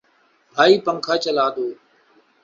بھائی پنکھا چلا دو